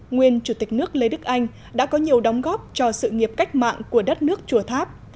nguyên chủ tịch nước lê đức anh đã có nhiều đóng góp cho sự nghiệp cách mạng của đất nước chùa tháp